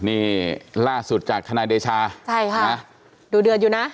นี่ล่าสุดจากทนายเดชาใช่ค่ะนะดูเดือดอยู่นะ